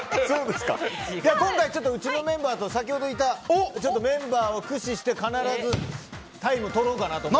今回、うちのメンバーと先ほどいたメンバーを駆使して必ずタイムをとろうかなと。